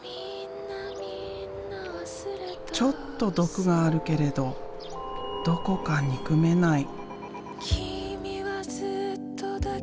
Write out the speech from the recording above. ちょっと毒があるけれどどこか憎めない。